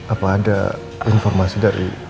apa ada informasi dari